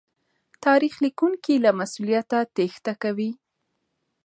تاريخ ليکونکي له مسوليته تېښته کوي.